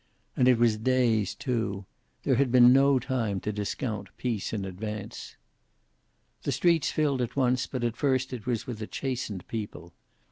And it was dazed, too. There had been no time to discount peace in advance. The streets filled at once, but at first it was with a chastened people.